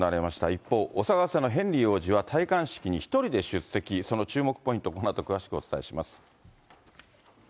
一方、お騒がせのヘンリー王子は戴冠式に１人で出席、その注目ポイント、このあと詳しくお伝えします。